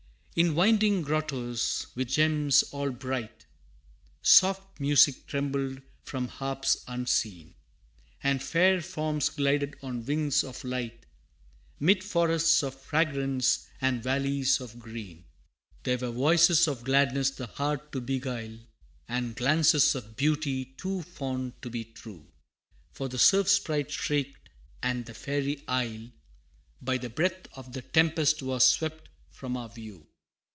In winding grottos, with gems all bright, Soft music trembled from harps unseen, And fair forms glided on wings of light, 'Mid forests of fragrance, and valleys of green. There were voices of gladness the heart to beguile, And glances of beauty too fond to be true For the Surf Sprite shrieked, and the Fairy Isle, By the breath of the tempest was swept from our view.